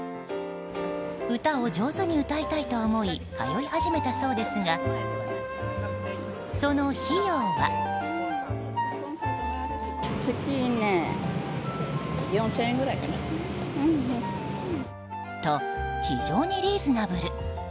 歌を上手に歌いたいと思い通い始めたそうですがその費用は。と、非常にリーズナブル。